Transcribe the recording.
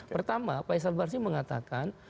pertama pak issal basri mengatakan